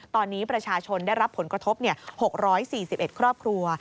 ตอนนี้ประชาชนได้รับผลกระทบ๖๔๑ครอบครัว